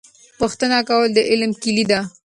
پوښتنه کول د علم کیلي ده.